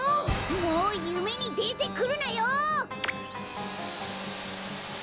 もうゆめにでてくるなよ！